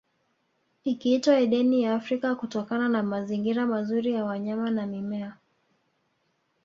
Ikiitwa Edeni ya Afrika kutokana na mazingira mazuri ya wanyama na mimea